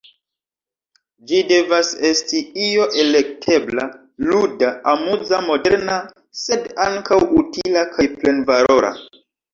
Ĝi devas esti io elektebla, luda, amuza, moderna sed ankaŭ utila kaj plenvalora.